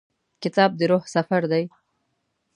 کتاب د روح سفر دی.